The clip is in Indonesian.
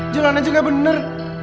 jalan aja nggak bener